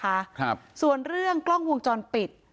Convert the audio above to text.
ครับส่วนเรื่องกล้องวงจรปิด